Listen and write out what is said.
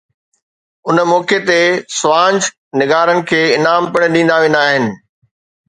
ان موقعي تي سوانح نگارن کي انعام پڻ ڏنا ويندا آهن.